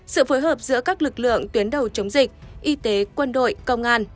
sự phối hợp giữa các lực lượng tuyến đầu chống dịch y tế quân đội công an